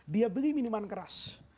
dia beli minuman keras